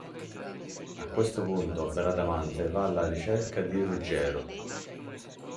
A questo punto Bradamante va alla ricerca di Ruggiero.